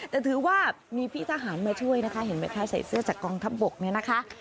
แต่ถือว่ามีพี่ทหารมาช่วยนะคะเห็นไหมคะใส่เสื้อจากกองทัพบกเนี่ยนะคะ